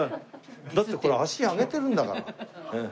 だってほら足上げてるんだから。